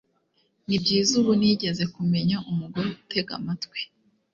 nibyiza ubu nigeze kumenya umugore utega amatwi